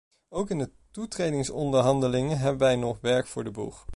Ook in de toetredingsonderhandelingen hebben wij nog werk voor de boeg.